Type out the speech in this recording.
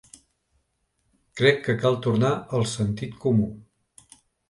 Crec que cal tornar al sentit comú.